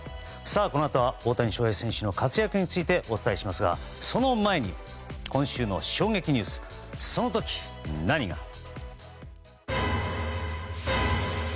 このあとは大谷翔平選手の活躍についてお伝えしますがその前に、今週の衝撃ニュースその時、何が。